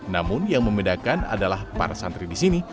namun yang membedakan adalah para santri di sini